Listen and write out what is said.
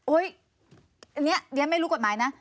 โอ๊ยนี่เดี๋ยวไม่รู้กฎหมายนะ